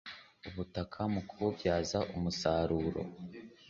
Ubutaka mu kububyaza umusaruro